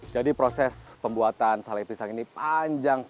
jadi proses pembuatan sale pisang ini panjang